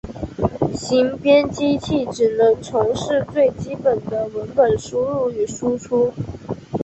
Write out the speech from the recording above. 行编辑器只能从事最基本的文本输入与输出。